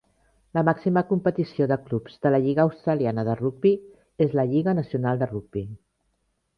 La màxima competició de clubs de la Lliga Australiana de Rugby és la lliga nacional de rugby.